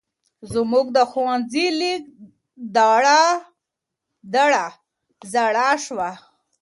زمونږ د ښونځې لېک دړه زاړه شوی.